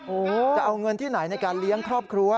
โอ้โหจะเอาเงินที่ไหนในการเลี้ยงครอบครัว